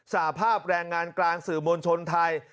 สาภาพแรงงานกลางสื่อมวลชนไทย